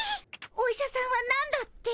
お医者さんはなんだって？